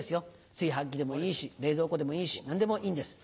炊飯器でもいいし冷蔵庫でもいいし何でもいいんです